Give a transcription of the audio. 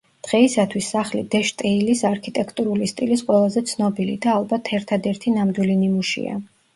დღეისათვის სახლი დე შტეილის არქიტექტურული სტილის ყველაზე ცნობილი და ალბათ ერთადერთი ნამდვილი ნიმუშია.